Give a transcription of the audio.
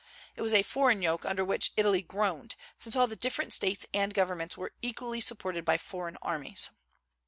It was a foreign yoke under which Italy groaned, since all the different states and governments were equally supported by foreign armies.